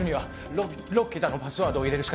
ろ６桁のパスワードを入れるしかない。